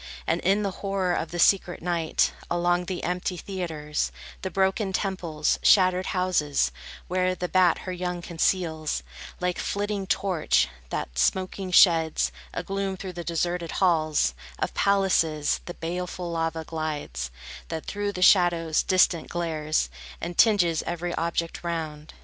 And in the horror of the secret night, Along the empty theatres, The broken temples, shattered houses, where The bat her young conceals, Like flitting torch, that smoking sheds A gloom through the deserted halls Of palaces, the baleful lava glides, That through the shadows, distant, glares, And tinges every object round.